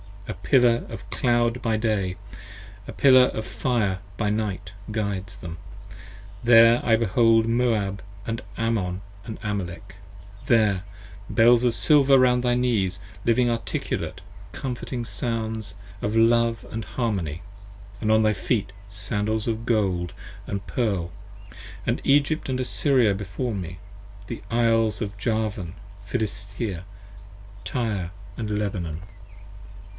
, A Pillar of a Cloud by day: a Pillar of fire by night Guides them: there I behold Moab & Ammon & Amalek. There Bells of silver round thy knees living articulate 30 Comforting sounds of Jove & harmony, & on thy feet Sandals of gold & pearl, & Egypt & Assyria before me, The Isles of Javan, Philistea, Tyre & Lebanon.